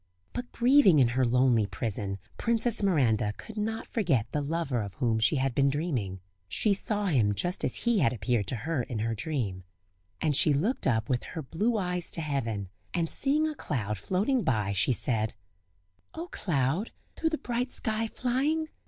But grieving in her lonely prison Princess Miranda could not forget the lover of whom she had been dreaming; she saw him just as he had appeared to her in her dream. And she looked up with her blue eyes to heaven, and seeing a cloud floating by, she said: "O cloud! through the bright sky flying!